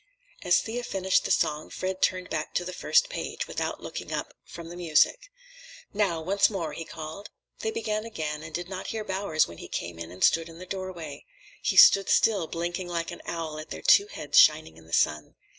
As Thea finished the song Fred turned back to the first page, without looking up from the music. "Now, once more," he called. They began again, and did not hear Bowers when he came in and stood in the doorway. He stood still, blinking like an owl at their two heads shining in the sun.